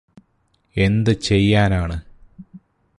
എന്ത് ചെയ്യാനാണ്